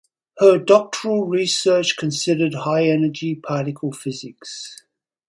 Her doctoral research considered high energy particle physics.